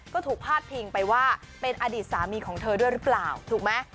ก็ถูกพาดพิงไปว่าเป็นอดีตสามีของเธอด้วยหรือเปล่าถูกไหม